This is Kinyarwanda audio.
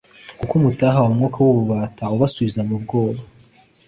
Kuko mutahawe umwuka w'ububata ubasubiza mu bwoba;